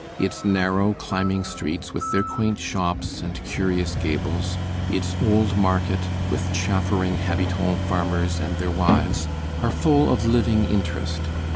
Its narrow, climbing streets, with their quaint shops and curious gables, its old market, with chaffering habitant farmers and their wives, are full of living interest.